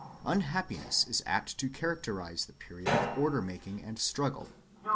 Unhappiness is apt to characterize the period of order‐making and struggle.